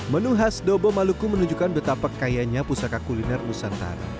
menu khas dobo maluku menunjukkan betapa kayanya pusaka kuliner nusantara